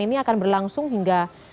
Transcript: ini akan berlangsung hingga